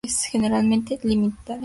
Generalmente militares.